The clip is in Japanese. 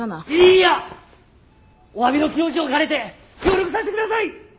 いや！おわびの気持ちも兼ねて協力させて下さい！